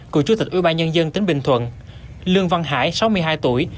cựu chủ tịch ủy ban nhân dân tỉnh bình thuận lương văn hải sáu mươi hai tuổi